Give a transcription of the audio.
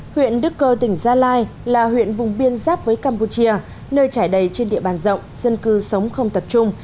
huyện đức cơ tỉnh gia lai là huyện vùng biên giáp với campuchia nơi trải đầy trên địa bàn rộng dân cư sống không tập trung